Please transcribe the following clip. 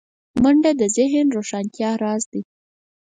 منډه د ذهن روښانتیا راز دی